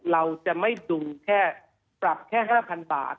เราจะไม่ปรุงแค่ปรับแค่๕๐๐บาท